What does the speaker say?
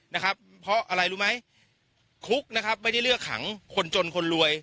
นะครับเพราะอะไรรู้ไหมคุกนะครับไม่ได้เลือกขังคนจนคนรวย